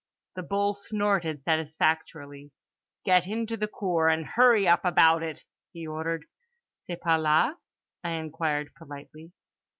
—The bull snorted satisfactorily. "Get into the cour and hurry up about it" he ordered.—"C'est par là?" I inquired politely.